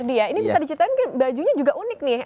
ini bisa diciptain bajunya juga unik nih